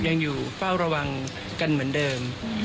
ยังอยู่เฝ้าระวังกันเหมือนเดิม